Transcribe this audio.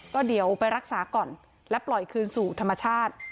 ก็เดี๋ยวไปรักษาก่อนและปล่อยคืนสู่ธรรมชาติ